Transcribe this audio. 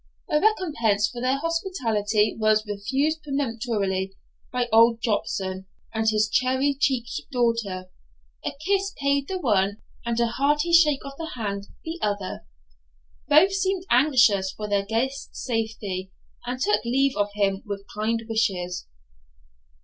A recompense for their hospitality was refused peremptorily by old Jopson and his cherry cheeked daughter; a kiss paid the one and a hearty shake of the hand the other. Both seemed anxious for their guest's safety, and took leave of him with kind wishes.